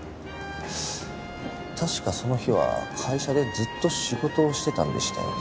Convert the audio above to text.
確かその日は会社でずっと仕事をしてたんでしたよね？